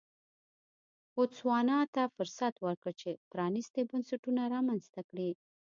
بوتسوانا ته فرصت ورکړ چې پرانیستي بنسټونه رامنځته کړي.